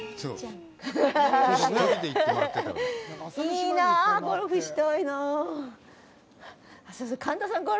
いいなあ、ゴルフしたいなあ。